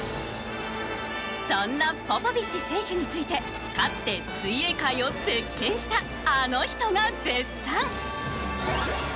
そんなポポビッチ選手についてかつて水泳界を席巻したあの人が絶賛！